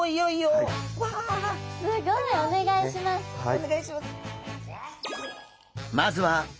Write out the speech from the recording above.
お願いします。